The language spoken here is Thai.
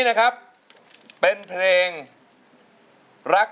โทษให้โทษให้โทษให้